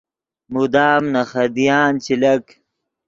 مدام نے خدیان چے لک